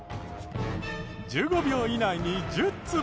１５秒以内に１０粒。